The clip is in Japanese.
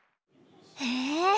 へえ。